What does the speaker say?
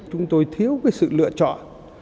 chúng tôi thiếu cái sự lựa chọn